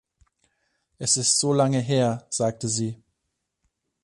„Es ist so lange her,“ sagte sie.